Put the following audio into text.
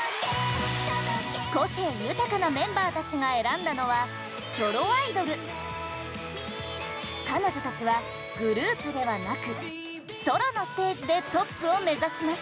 個性豊かなメンバーたちが選んだのは彼女たちはグループではなくソロのステージでトップを目指します。